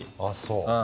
あっそう。